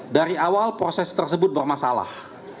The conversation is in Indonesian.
dari awal proses tersebut bermasalah